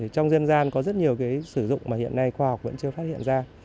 trong dân gian có rất nhiều cái sử dụng mà hiện nay khoa học vẫn chưa được